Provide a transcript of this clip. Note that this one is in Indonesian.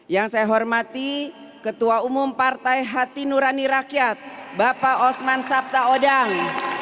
yang saya hormati ketua umum partai hati nurani rakyat bapak osman sabta odang